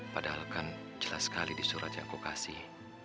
padahalkan jelas sekali di surat yang aku kasih